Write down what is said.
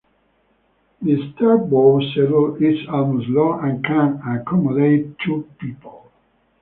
The starboard settee is almost long and can accommodate two people.